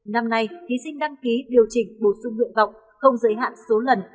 năm nay thí sinh đăng ký điều chỉnh bổ sung nguyện vọng không giới hạn số lần